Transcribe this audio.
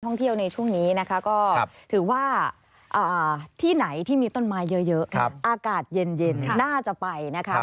ท่องเที่ยวในช่วงนี้นะคะก็ถือว่าที่ไหนที่มีต้นไม้เยอะอากาศเย็นน่าจะไปนะคะ